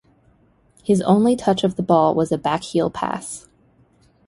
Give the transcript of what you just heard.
His only touch of the ball was a back-heel pass.